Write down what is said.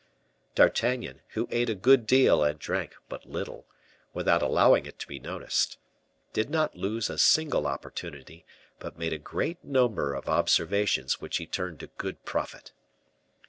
D'Artagnan, who ate a good deal and drank but little, without allowing it to be noticed, did not lose a single opportunity, but made a great number of observations which he turned to good profit.